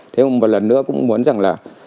thế một lần nữa cũng muốn rằng là